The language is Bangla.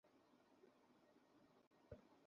তুমি রাতে সানগ্লাস পড়ে কী করছ?